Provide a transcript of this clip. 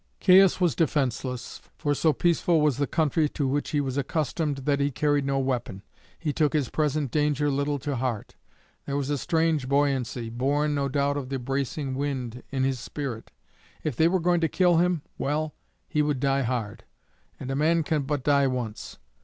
Caius was defenceless, for so peaceful was the country to which he was accustomed that he carried no weapon. He took his present danger little to heart. There was a strange buoyancy born, no doubt, of the bracing wind in his spirit. If they were going to kill him well, he would die hard; and a man can but die once.